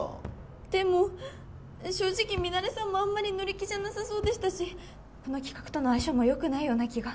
でも正直ミナレさんもあんまり乗り気じゃなさそうでしたしこの企画との相性も良くないような気が。